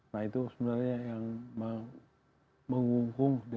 nah itu sebenarnya yang mengungkung